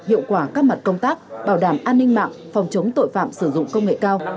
hiệu quả các mặt công tác bảo đảm an ninh mạng phòng chống tội phạm sử dụng công nghệ cao